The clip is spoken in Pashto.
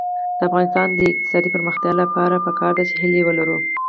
د افغانستان د اقتصادي پرمختګ لپاره پکار ده چې هیلې ولرو.